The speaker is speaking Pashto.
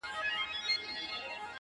د شپې دي د مُغان په کور کي ووینم زاهده!!